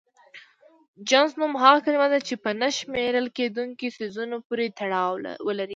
جنس نوم هغه کلمه ده چې په نه شمېرل کيدونکو څيزونو پورې تړاو ولري.